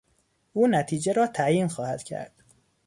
او نتیجه را تعیین خواهد کرد.